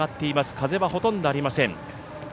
風はほとんどありません。